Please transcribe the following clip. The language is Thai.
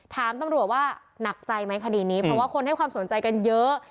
ถามตำรวจว่าหนักใจไหมคดีนี้เพราะว่าคนให้ความสนใจกันเยอะ